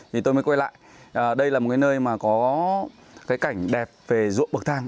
thì tôi mới quay lại đây là một cái nơi mà có cái cảnh đẹp về ruộng bậc thang